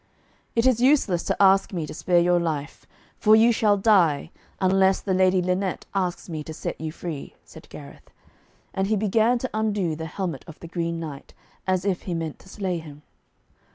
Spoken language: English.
'It is useless to ask me to spare your life, for you shall die, unless the Lady Lynette asks me to set you free,' said Gareth. And he began to undo the helmet of the Green Knight, as if he meant to slay him.